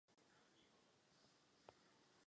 Lokalita je hojně navštěvována turisty.